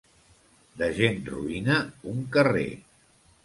De gent roïna, un carrer.